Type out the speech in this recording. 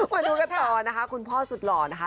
มาดูกันต่อนะคะคุณพ่อสุดหล่อนะคะ